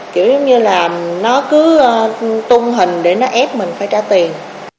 kiểu giống như là nó cứ tung hình để nó ép mình phải trả tiền